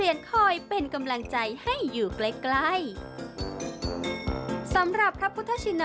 มีพุทธธราชนะอันงดงามโดดเด่นจึงได้รับการยกย่องว่าเป็นหนึ่งในพระพุทธธรูปที่มีพุทธธราชนะงดงามที่สุดในเมืองไทย